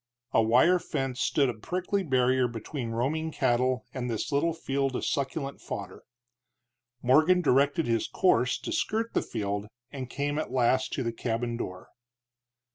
A wire fence stood a prickly barrier between roaming cattle and this little field of succulent fodder. Morgan directed his course to skirt the field, and came at last to the cabin door.